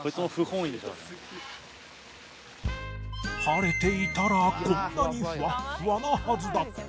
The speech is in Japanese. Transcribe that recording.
晴れていたらこんなにふわっふわなはずだった